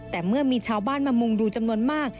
แต่เมื่อมีชาวบ้านมามุงดูจำนวนมาก